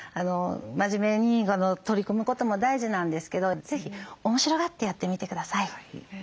真面目に取り組むことも大事なんですけど是非面白がってやってみて下さい。